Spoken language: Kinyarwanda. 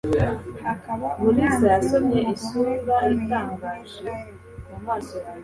akaba umwanzi n'umugome ukomeye kuri israheli